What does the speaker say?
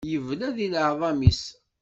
Yebla di leɛḍam-is.